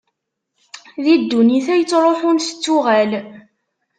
Di ddunit-a ittruḥun tettuɣal